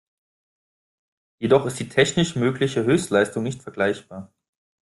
Jedoch ist die technisch mögliche Höchstleistung nicht vergleichbar.